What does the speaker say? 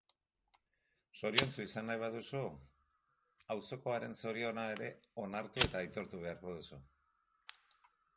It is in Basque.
Zoriontsu izan nahi baduzu, hauzokoaren zoriona ere onhartu eta aitortu beharko duzu.